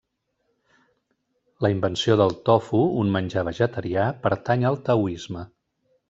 La invenció del tofu, un menjar vegetarià, pertany al taoisme.